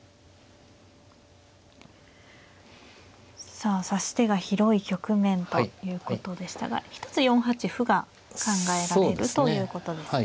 さあ指し手が広い局面ということでしたが一つ４八歩が考えられるということですね。